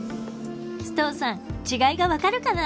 須藤さん違いが分かるかな？